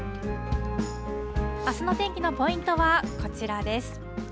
あすの天気のポイントはこちらです。